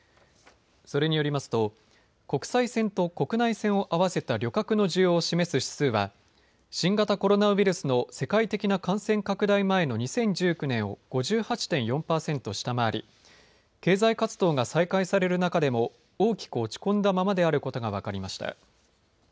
それによりますと国際線と国内線を合わせた旅客の需要を示す指数は新型コロナウイルスの世界的な感染拡大前の２０１９年を５８．４％下回り経済活動が再開される中でも大きく落ち込んだままであることが分かりました。